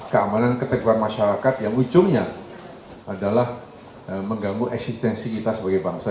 keamanan keteguran masyarakat yang ujungnya adalah mengganggu eksistensi kita sebagai bangsa